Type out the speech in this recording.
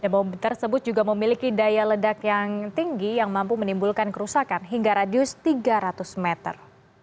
bom tersebut juga memiliki daya ledak yang tinggi yang mampu menimbulkan kerusakan hingga radius tiga ratus meter